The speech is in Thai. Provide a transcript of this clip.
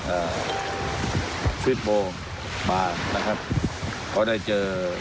เอ่อชวิตโบงบานนะครับเขาได้เจอ